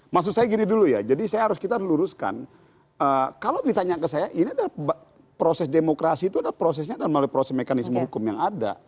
maksud saya gini dulu ya jadi saya harus kita luruskan kalau ditanya ke saya ini adalah proses demokrasi itu adalah prosesnya dan melalui proses mekanisme hukum yang ada